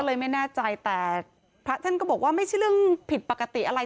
เลยไม่แน่ใจแต่พระท่านก็บอกว่าไม่ใช่เรื่องผิดปกติอะไร